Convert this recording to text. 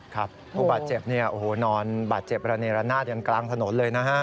ครับผู้บาดเจ็บเนี่ยโอ้โหนอนบาดเจ็บระเนียระนาดอย่างกลางถนนเลยนะฮะ